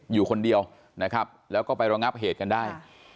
อยู่คนเดียวนะครับแล้วก็ไประงับเหตุกันได้